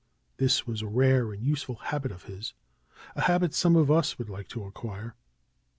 This was a rare and useful habit of his; a habit some of us would like to acquire.